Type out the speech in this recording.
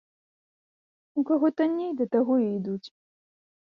У каго танней, да таго і ідуць.